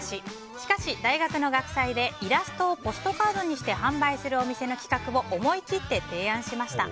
しかし、大学の学祭でイラストをポストカードにして販売するお店の企画を思い切って提案しました。